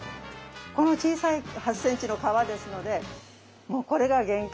この小さい８センチの皮ですのでもうこれが限界でしたね。